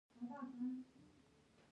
د پوستکي خارښت او ځینې نورې